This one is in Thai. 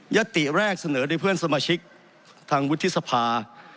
ติแรกเสนอด้วยเพื่อนสมาชิกทางวุฒิสภา